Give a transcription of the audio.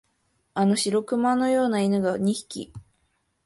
あの白熊のような犬が二匹、